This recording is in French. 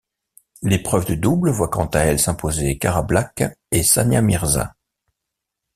L'épreuve de double voit quant à elle s'imposer Cara Black et Sania Mirza.